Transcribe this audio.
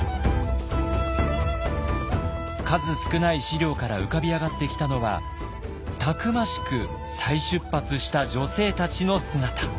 数少ない資料から浮かび上がってきたのはたくましく再出発した女性たちの姿。